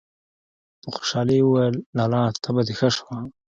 په خوشالي يې وويل: لالا! تبه دې ښه شوه!!!